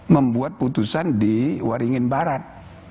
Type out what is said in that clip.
membuat putusan di waringin barat